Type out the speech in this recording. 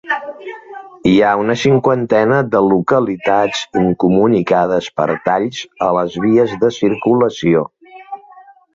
Hi ha una cinquantena de localitats incomunicades per talls a les vies de circulació.